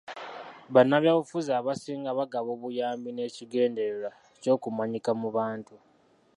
Bannabyabufuzi abasinga bagaba obuyambi n'ekigendererwa ky'okumanyika mu bantu.